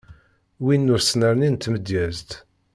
Win n usnerni n tmedyezt.